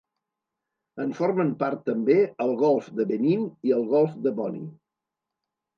En formen part també el golf de Benín i el golf de Bonny.